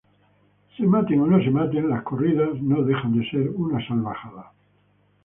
En este tipo de corridas no se mata al toro.